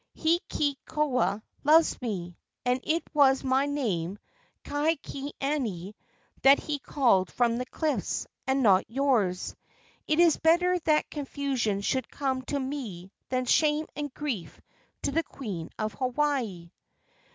Heakekoa loves me, and it was my name, Kaikinane, that he called from the cliffs, and not yours. It is better that confusion should come to me than shame and grief to the queen of Hawaii."